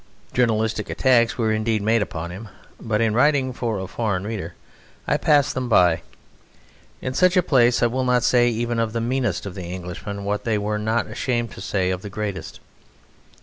Journalistic attacks were indeed made upon him, but in writing for a foreign reader I pass them by. In such a place I will not say even of the meanest of Englishmen what they were not ashamed to say of one of the greatest.